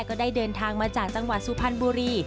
ก็ได้เดินทางมาจากจังหวัดสุพรรณบุรี